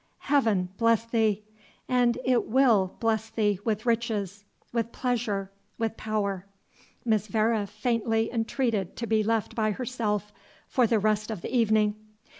Heaven bless thee! And it WILL bless thee with riches, with pleasure, with power." Miss Vere faintly entreated to be left by herself for the rest of the evening.